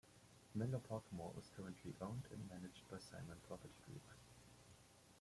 Menlo Park Mall is currently owned and managed by Simon Property Group.